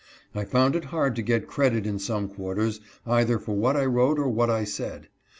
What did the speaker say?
I found it hard to get credit in some quar ters either for what I wrote or what I said.